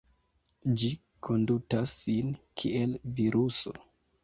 Ĝi kondutas sin kiel viruso.